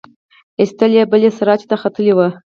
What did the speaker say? ایسته بلې سراچې ته ختلې وه.